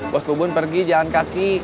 bos kebun pergi jalan kaki